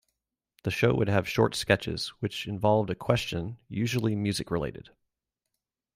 The show would have short sketches, which involved a question, usually music-related.